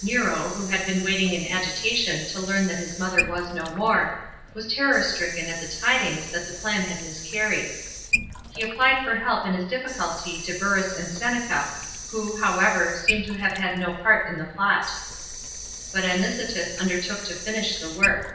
Nero, who had been waiting in agitation to learn that his mother was no more, was terror stricken at the tidings that the plan had miscarried. He a| p> aled for help in his difficulty to Burrus and Seneca, who, however, seem to have had no pait in the plot. But Anicetus undertook to finish the work.